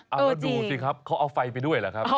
เอาแล้วดูสิครับเขาเอาไฟไปด้วยเหรอครับ